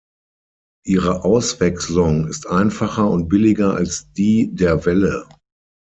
Ihre Auswechslung ist einfacher und billiger als die der Welle.